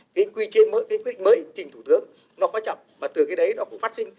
cái quy trình mới cái quyết định mới trình thủ tướng nó có chậm và từ cái đấy nó cũng phát sinh